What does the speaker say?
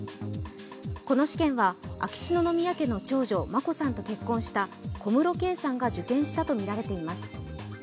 この試験は秋篠宮家の長女・眞子さんと結婚した小室圭さんが受験したとみられています。